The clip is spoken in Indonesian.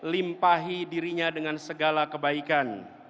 limpahi dirinya dengan segala kebaikan